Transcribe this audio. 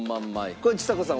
これちさ子さん